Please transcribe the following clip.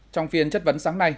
trong phiên chất vấn sáng nay